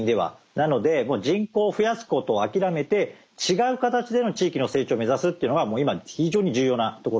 なのでもう人口を増やすことを諦めて違う形での地域の成長を目指すっていうのがもう今非常に重要なところなんですよね。